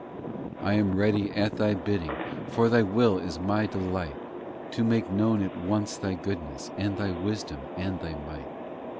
VIII I am ready at Thy bidding, For Thy will is My delight, To make known at once Thy goodness And Thy wisdom and Thy might.